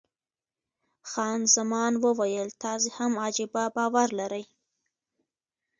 خان زمان وویل، تاسې هم عجبه باور لرئ.